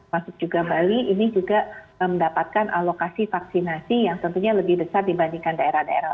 masuk juga bali ini juga mendapatkan alokasi vaksinasi yang tentunya lebih besar dibandingkan daerah daerah